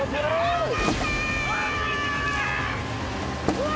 うわ！